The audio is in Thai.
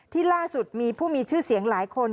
ล่าสุดมีผู้มีชื่อเสียงหลายคน